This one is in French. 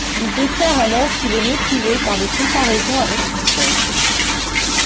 Il déclare alors qu'il est motivé par les comparaisons avec son père.